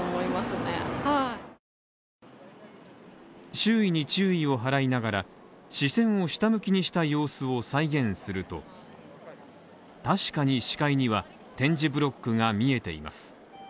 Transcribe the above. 周囲に注意を払いながら、視線を下向きにした様子を再現すると確かに視界には点字ブロックが見えています。